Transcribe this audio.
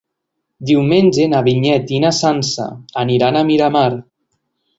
Diumenge na Vinyet i na Sança aniran a Miramar.